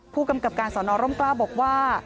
ผู้กำกับการสอนอร่มกล้าบอกว่า